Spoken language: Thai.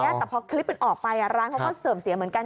แต่พอคลิปมันออกไปร้านเขาก็เสื่อมเสียเหมือนกัน